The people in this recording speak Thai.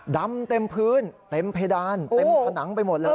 ดำเต็มพื้นเต็มเพดานเต็มผนังไปหมดเลย